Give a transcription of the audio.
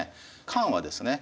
漢はですね